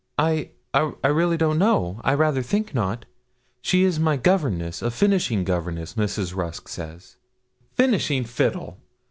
'I I really don't know; I rather think not. She is my governess a finishing governess, Mrs. Rusk says.' 'Finishing fiddle!